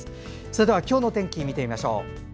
それでは今日の天気を見てみましょう。